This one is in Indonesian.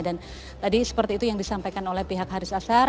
dan tadi seperti itu yang disampaikan oleh pihak haris ashar